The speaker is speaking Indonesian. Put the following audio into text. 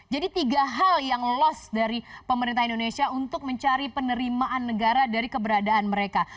jadi tiga hal yang lost dari pemerintah indonesia untuk mencari penerimaan negara dari keberadaan mereka